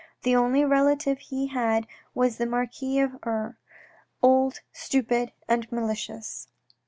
The only relative he had was the Marquise of R old, stupid, and malicious.